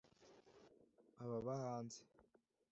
ababa hanze